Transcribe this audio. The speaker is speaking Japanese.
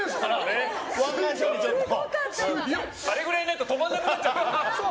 あれぐらいになると止まらなくなっちゃうから。